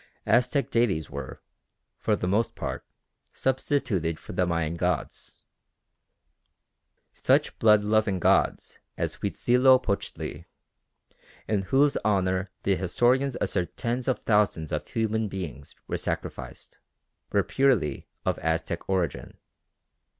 Aztec deities were, for the most part, substituted for the Mayan gods. Such blood loving gods as Huitzilopochtli, in whose honour the historians assert tens of thousands of human beings were sacrificed, were purely of Aztec origin.